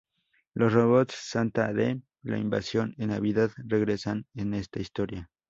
Los robots Santa de "La invasión en Navidad" regresan en esta historia.